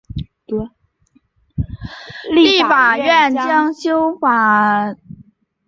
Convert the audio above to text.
立法院将修法规范停止未经许可赴中国大陆参与政治活动之退职人员领取退休俸的权利。